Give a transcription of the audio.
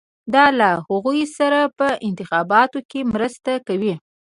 دا له هغوی سره په انتخاباتو کې مرسته کوي.